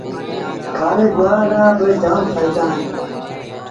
کآري گُوآر رآ با جآم ڦآئيٚدآ اوهيݩ۔